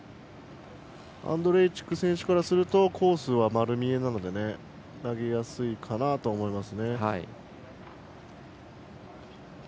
アンドレイチク選手からするとコースは丸見えなので投げやすいかなと思います。